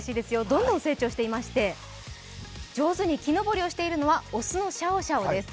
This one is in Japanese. どんどん成長していまして上手に木登りをしているのは雄のシャオシャオです。